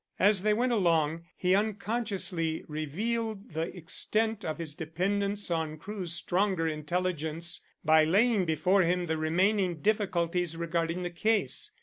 As they went along, he unconsciously revealed the extent of his dependence on Crewe's stronger intelligence by laying before him the remaining difficulties regarding the case.